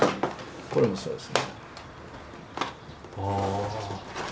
これもそうです。